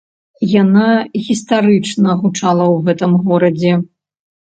Яна гістарычна гучала ў гэтым горадзе.